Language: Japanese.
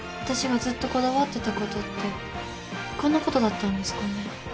私がずっとこだわってたことってこんなことだったんですかね？